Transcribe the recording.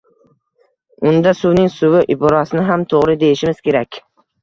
Unda suvning suvi iborasini ham toʻgʻri deyishimiz kerak